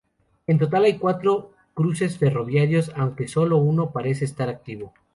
En total hay cuatro cruces ferroviarios, aunque solo uno parece estar activo.